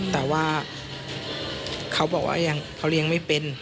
แต่ว่าเขาบอกว่าเขาเลี้ยงไม่เป็น